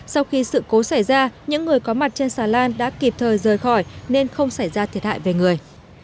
sau khi sự cố xảy ra những người có mặt trên xà lan đã kịp thời rời khỏi nên không xảy ra thiệt hại về người